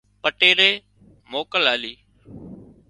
پٽيلي موڪل آلِي